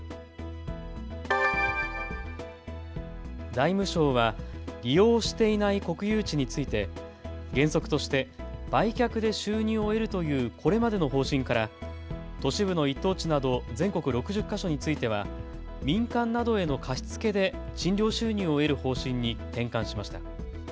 財務省は利用していない国有地について原則として売却で収入を得るというこれまでの方針から都市部の一等地など全国６０か所については民間などへの貸し付けで賃料収入を得る方針に転換しました。